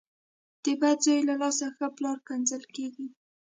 ـ د بد زوی له لاسه ښه پلار کنځل کېږي .